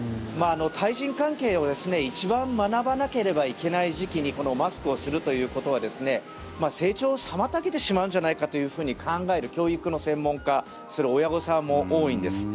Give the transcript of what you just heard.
対人関係を一番学ばなければいけない時期にマスクをするということは成長を妨げてしまうんじゃないかというふうに考える教育の専門家、親御さんも多いんです。